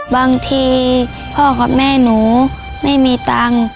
บางทีพ่อกับแม่หนูไม่มีตังค์